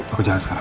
aku jalan sekarang